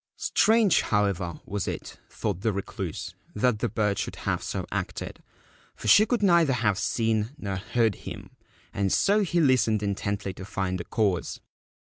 Strange, however, was it, thought the Recluse, that the bird should have so acted, for she could neither have seen nor heard him ; and so he listened intently to find the cause.